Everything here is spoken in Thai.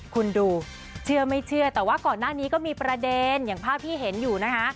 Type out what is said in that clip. คุณดูเชื่อไม่เชื่อแต่ว่าก่อนหน้านี้ก็มีประเด็นอย่างภาพที่เห็นอยู่นะคะ